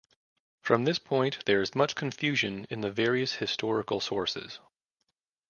From this point there is much confusion in the various historical sources.